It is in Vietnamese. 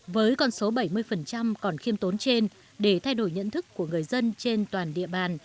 với con số bảy mươi còn khiêm tốn trên để thay đổi nhận thức của người dân trên toàn địa bàn